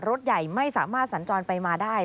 รถใหญ่ไม่สามารถสัญจรไปมาได้